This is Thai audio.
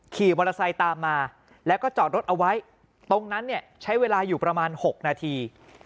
ขี่มอเตอร์ไซค์ตามมาแล้วก็จอดรถเอาไว้ตรงนั้นเนี่ยใช้เวลาอยู่ประมาณ๖นาที